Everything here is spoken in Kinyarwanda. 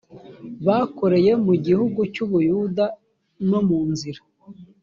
bakoreye mu gihugu cy u buyuda no mu nzira